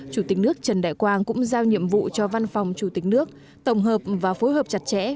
chủ tịch nước trần đại quang cũng giao nhiệm vụ cho văn phòng chủ tịch nước tổng hợp và phối hợp chặt chẽ